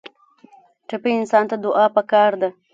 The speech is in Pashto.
ټپي انسان ته دعا پکار ده.